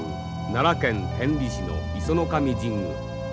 奈良県天理市の石上神宮。